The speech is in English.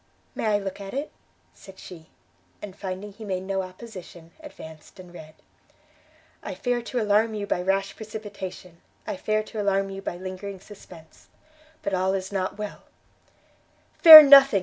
"May I look at it?" said she; and, finding he made no opposition, advanced and read. _I fear to alarm you by rash precipitation, I fear to alarm you by lingering suspense, but all is not well _ "Fear nothing!"